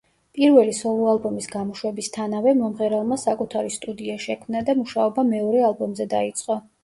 პირველი სოლო ალბომის გამოშვებისთანავე, მომღერალმა საკუთარი სტუდია შექმნა და მუშაობა მეორე ალბომზე დაიწყო.